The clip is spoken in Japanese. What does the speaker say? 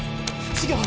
違う！